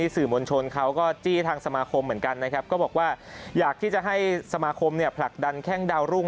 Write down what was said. สื่อมวลชนเขาก็จี้ทางสมาคมเหมือนกันนะครับก็บอกว่าอยากที่จะให้สมาคมเนี่ยผลักดันแข้งดาวรุ่ง